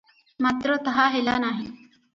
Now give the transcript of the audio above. ମାତ୍ର ତାହା ହେଲା ନାହିଁ ।